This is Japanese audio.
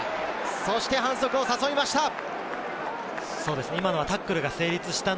そして反則を誘いました。